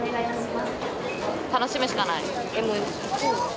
楽しむしかない。